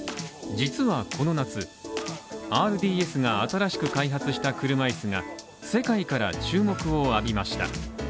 実はこの夏、ＲＤＳが新しく開発した車いすが世界から注目を浴びました。